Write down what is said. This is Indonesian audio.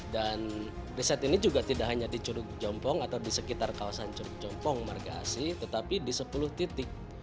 riset ini juga tidak hanya di curug jompong atau di sekitar kawasan curug jompong marga asi tetapi di sepuluh titik